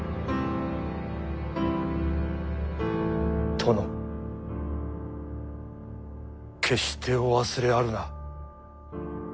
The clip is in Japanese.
殿決してお忘れあるな。